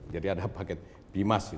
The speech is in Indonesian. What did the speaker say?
jadi ada paket bimas